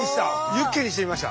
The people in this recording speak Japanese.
ユッケにしてみました。